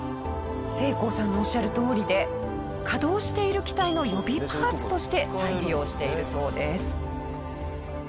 せいこうさんのおっしゃるとおりで稼働している機体の予備パーツとして再利用しているそうです。